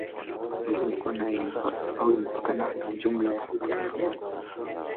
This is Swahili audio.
Imezungukwa au imepakana na jumla ya mataifa nane